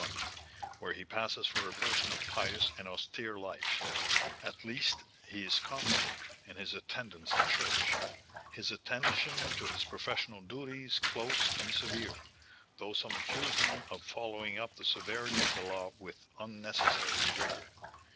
41, where he passes for a person of pious and austere life; at least, he is constant in his attendance at church, his attention to his professional duties, close and severe, though some accuse him of following up the severity of the law with unnecessary rigour.